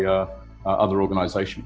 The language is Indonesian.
diurus oleh organisasi lain